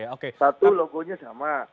ya satu logonya sama